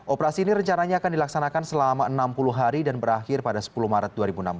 operasi ini rencananya akan dilaksanakan selama enam puluh hari dan berakhir pada sepuluh maret dua ribu enam belas